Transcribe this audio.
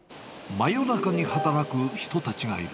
真夜中に働く人たちがいる。